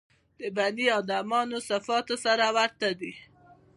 د بني ادمانو صفاتو سره ورته دي.